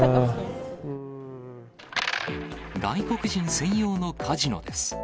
外国人専用のカジノです。